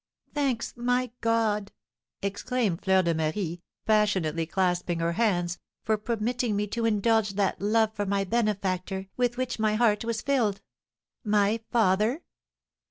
"Thanks, my God," exclaimed Fleur de Marie, passionately clasping her hands, "for permitting me to indulge that love for my benefactor with which my heart was filled. My father!